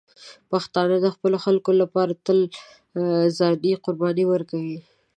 پښتانه د خپلو خلکو لپاره تل ځاني قرباني ورکوي.